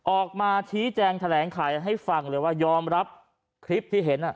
ออกมาชี้แจงแถลงไขให้ฟังเลยว่ายอมรับคลิปที่เห็น